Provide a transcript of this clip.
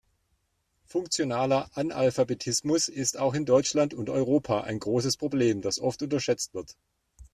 Funktionaler Analphabetismus ist auch in Deutschland und Europa ein großes Problem, das oft unterschätzt wird.